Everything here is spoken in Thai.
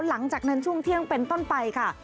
หลังจากนั้นช่วงเที่ยงเป็นต้นไปค่ะ